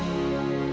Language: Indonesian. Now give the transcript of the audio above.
apa ada hal penting